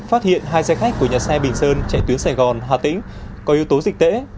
phát hiện hai xe khách của nhà xe bình sơn chạy tuyến sài gòn hà tĩnh có yếu tố dịch tễ